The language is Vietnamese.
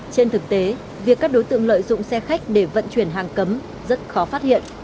trên thực tế việc các đối tượng lợi dụng xe khách để vận chuyển hàng cấm rất khó phát hiện